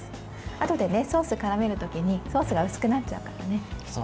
あとでソースをからめるときにソースが薄くなっちゃうからね。